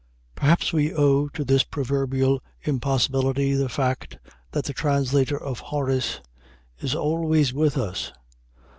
Perhaps we owe to this proverbial impossibility the fact that the translator of Horace is always with us.